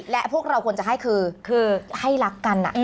และพวกเราควรจะให้คือให้รักกัน